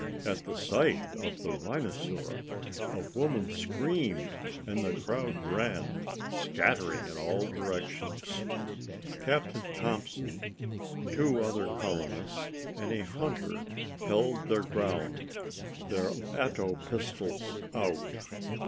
At the sight of the rhinosaur, a woman screamed and the crowd ran, scattering in all directions. Captain Thompson, two other colonists and a hunter held their ground, their ato tube pistols out.